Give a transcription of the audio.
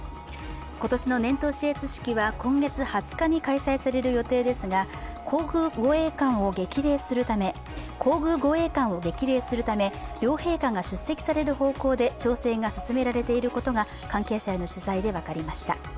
今年の年頭視閲式は今月２０日に開催される予定ですが皇宮護衛官を激励するため、両陛下が出席される方向で調整が進められていることが関係者への取材で分かりました。